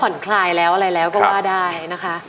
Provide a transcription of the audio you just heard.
คลายแล้วอะไรแล้วก็ว่าได้นะคะ